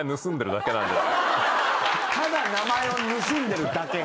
ただ名前を盗んでるだけ。